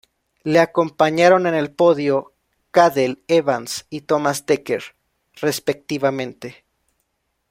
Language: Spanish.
Le acompañaron en el podio Cadel Evans y Thomas Dekker, respectivamente.